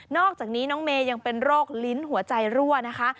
อกจากนี้น้องเมย์ยังเป็นโรคลิ้นหัวใจรั่วนะคะ